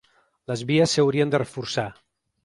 Les vies s’haurien de reforçar.